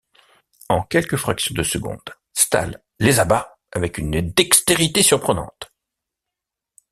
En quelques fractions de secondes, Stall les abat avec une dextérité surprenante.